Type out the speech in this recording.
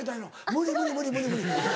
無理無理無理無理無理。